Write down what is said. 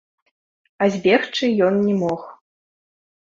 А збегчы ён не мог.